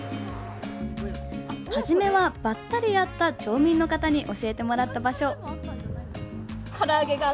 はじめは、ばったり会った町民の方に教えてもらった場所。